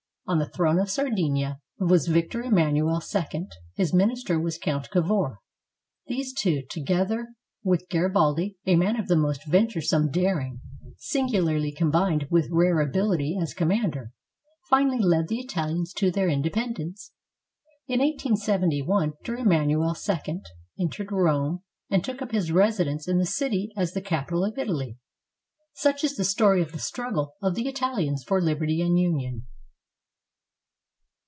On the throne of Sardinia was Victor Emman uel II. His minister was Count Cavour. These two, together with Garibaldi, a man of the most venturesome daring, sin gularly combined with rare ability as a commander, finally led the Italians to their independence. In 1871, Victor Emmanuel II entered Rome and took up his residence in the city as the capital of Italy. Such is the story of the struggle of the Italians for liberty and union.